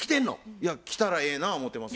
いや来たらええな思うてます。